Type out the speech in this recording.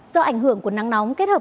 do ảnh hưởng của nắng nóng kết hợp